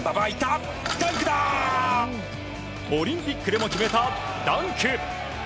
オリンピックでも決めたダンク！